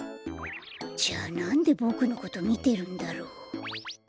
じゃあなんでボクのことみてるんだろう？